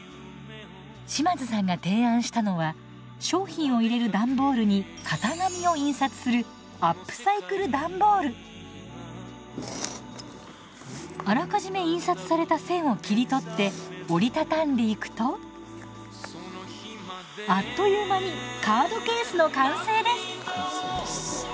島津さんが提案したのは商品を入れる段ボールに型紙を印刷するあらかじめ印刷された線を切り取って折り畳んでいくとあっという間にカードケースの完成です！